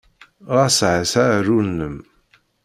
Ɣas ɛass aɛrur-nnem.